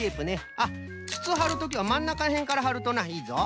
あっつつはるときはまんなかへんからはるとないいぞ。